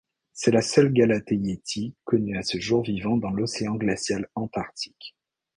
C'est la seule galathée yéti connue à ce jour vivant dans l'océan glacial Antarctique.